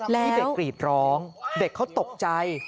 ที่เด็กกรีดร้องเด็กเขาตกใจ